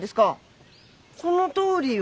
そのとおりよ。